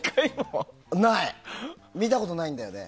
見たことないんだよね。